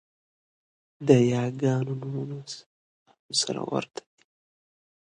د یاګانو نومونه هم سره ورته دي